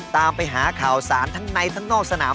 ตามไปหาข่าวสารทั้งในทั้งนอกสนาม